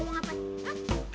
asi dia maunya